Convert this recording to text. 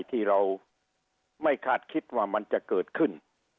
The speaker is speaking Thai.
ที่เราไม่คาดคิดว่ามันจะเกิดขึ้น